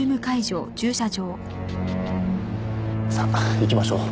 さあ行きましょう。